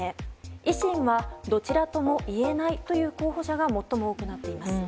維新はどちらともいえないという候補者が最も多くなっています。